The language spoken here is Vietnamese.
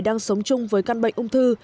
đang sống chung với căn bệnh ung thư